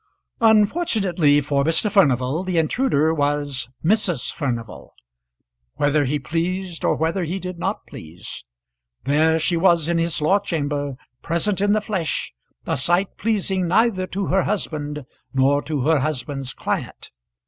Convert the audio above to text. Unfortunately for Mr. Furnival, the intruder was Mrs. Furnival whether he pleased or whether he did not please. There she was in his law chamber, present in the flesh, a sight pleasing neither to her husband nor to her husband's client.